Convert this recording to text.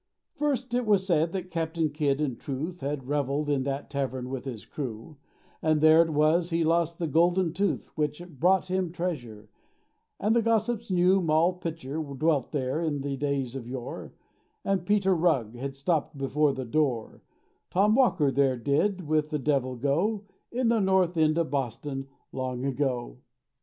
First it was said that Captain Kidd in truth Had revelled in that tavern with his crew, And there it was he lost the Golden Tooth Which brought him treasure, and the gossips knew Moll Pitcher dwelt there in the days of yore, And Peter Rugg had stopped before the door: Tom Walker there did with the Devil go In the North End of Boston, long ago.